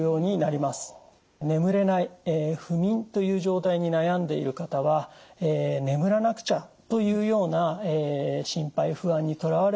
眠れない不眠という状態に悩んでいる方は眠らなくちゃというような心配不安にとらわれがちです。